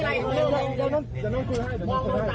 อย่าลงพื้นให้